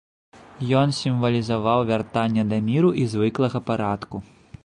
Ён сімвалізаваў вяртанне да міру і звыклага парадку.